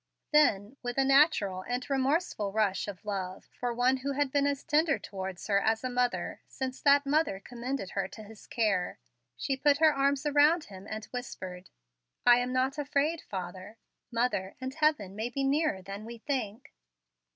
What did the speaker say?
Then, with a natural and remorseful rush of love for one who had been as tender towards her as a mother since that mother commended her to his care, she put her arms around him and whispered, "I am not afraid, father. Mother and heaven may be nearer than we think."